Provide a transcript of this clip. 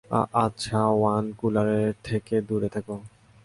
আচ্ছা, ওয়াইন কুলারের থেকে দূরে থেকো।